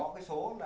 trong cái chuyện